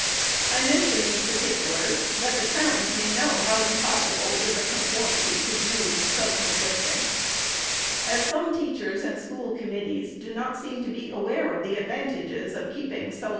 I mention these particulars, that the towns may know how impossible is a conformity to views so conflicting. As some teachers and school committees do not seem to be aware of the advantages of keeping so SECOND ANNUAL REPORT.